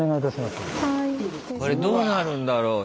これどうなるんだろう？